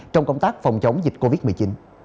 trong công tác phòng chống dịch covid một mươi chín